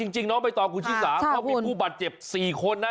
หนักจริงไปต่อกูชิคกี้พายเข้าไปผู้บัตรเจ็บ๔คนนะ